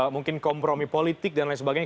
mungkin kompromi politik dan lain sebagainya